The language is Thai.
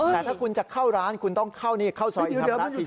แต่ถ้าคุณจะเข้าร้านคุณต้องเข้านี่เข้าซอยอีก๑๔๐